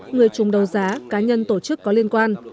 người chung đấu giá cá nhân tổ chức có liên quan